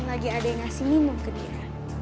lagi ada yang ngasih minum ke dia